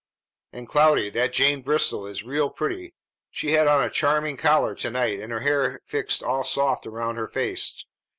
"And, Cloudy, that Jane Bristol is real pretty. She had on a charming collar to night, and her hair fixed all soft around her face.